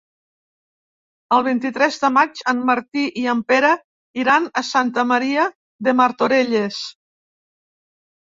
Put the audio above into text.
El vint-i-tres de maig en Martí i en Pere iran a Santa Maria de Martorelles.